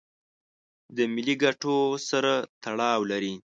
د ملي ګټو سره تړاو لري.